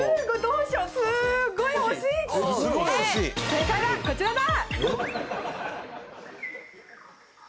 正解はこちらだ！